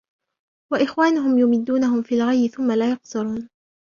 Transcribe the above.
وإخوانهم يمدونهم في الغي ثم لا يقصرون